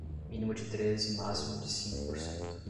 mínimo de três e máximo de cinco por cento